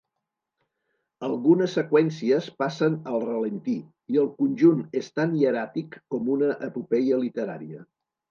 Algunes seqüències passen al ralentí i el conjunt és tan hieràtic com una epopeia literària.